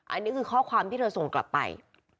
อันนี้คือข้อความที่เธอส่งกลับไป